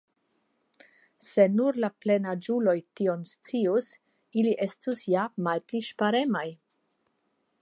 Se nur la plenaĝuloj tion scius, ili estus ja malpli ŝparemaj.